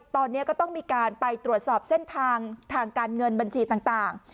ตอนนี้ก็ต้องมีการไปตรวจสอบเส้นทางทางการเงินบัญชีต่าง